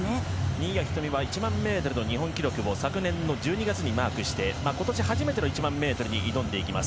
新谷仁美は１００００ｍの日本記録を昨年の１２月にマークして今年初めての１００００ｍに挑んでいきます。